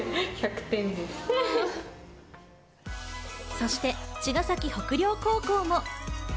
そして茅ヶ崎北陵高校も。